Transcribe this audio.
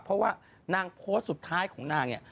เพราะว่านางโพสต์สุดท้ายของนางเนี่ย